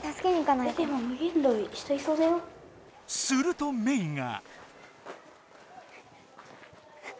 するとメイが。